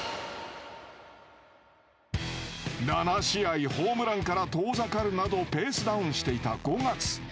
７試合ホームランから遠ざかるなどペースダウンしていた５月。